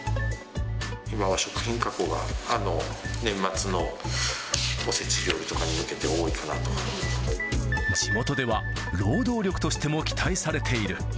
今は食品加工が年末のおせち地元では、労働力としても期待されている。